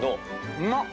◆うまっ！